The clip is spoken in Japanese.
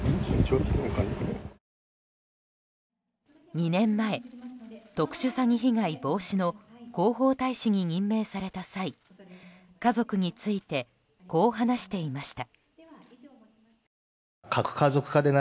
２年前、特殊詐欺被害防止の広報大使に任命された際家族についてこう話していました。